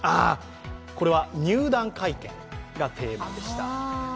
これは入団会見がテーマでした。